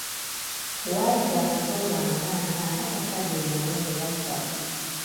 Waayita amazooba ng'ana, bakadde be nabo ne bafa.